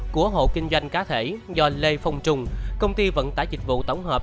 của hộ kinh doanh cá thể do lê phong trung công ty vận tải dịch vụ tổng hợp năm trăm ba mươi